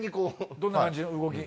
どんな感じの動き？